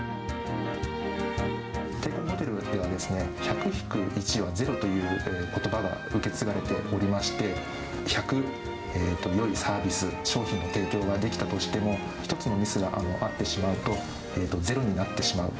帝国ホテルには、１００引く１は０ということばが受け継がれておりまして、１００よいサービス、商品の提供ができたとしても、１つのミスがあってしまうと、０になってしまう。